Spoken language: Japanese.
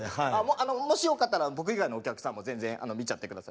あのもしよかったら僕以外のお客さんも全然見ちゃって下さい。